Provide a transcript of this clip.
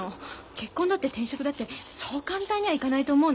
結婚だって転職だってそう簡単にはいかないと思うのね。